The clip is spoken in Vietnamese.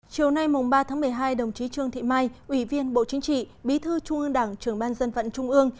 chiều nay mùng ba tháng một mươi hai đồng chí trương thị mai ủy viên bộ chính trị bí thư trung ương đảng trường ban dân vận trung ương